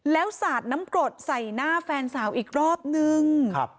แล้วสาดน้ำกรดใส่หน้าแฟนสาวอีกรอบนึง